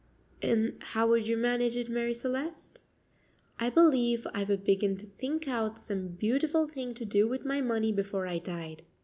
"And how would you manage it, Marie Celeste?" "I believe I would begin to think out some beautiful thing to do with my money before I died."